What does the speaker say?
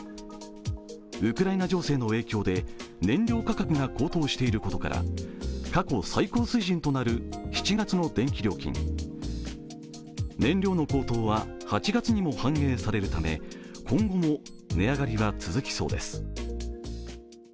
ウクライナ情勢の影響で燃料価格が高騰していることから過去最高水準となる７月の電気料金燃料の高騰は８月にも反映されるため今後も値上がりは続きそうです。